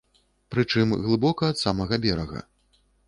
Прычым, глыбока ад самага берага.